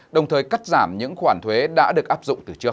đồng thời cắt giảm những khoản thuế đã được áp dụng từ trước